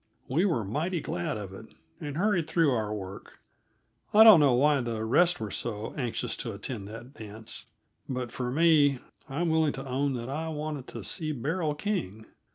We were mighty glad of it, and hurried through our work. I don't know why the rest were so anxious to attend that dance, but for me, I'm willing to own that I wanted to see Beryl King.